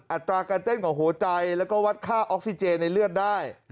อัตราการเต้นของหัวใจแล้วก็วัดค่าออกซิเจนในเลือดได้